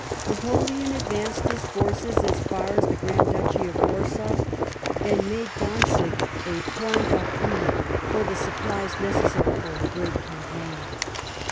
Napoleon advanced his forces as far as the Grand Duchy of Warsaw, and made Dantzig a 2Joinf d'appui for the supplies necessary for a great campaign.